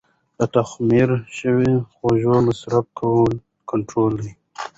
د تخمیر شوو خوړو مصرف کول ګټور دي.